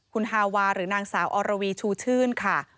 คุณฮาวาหรือนางสาวอรวีชูชื่นค่ะ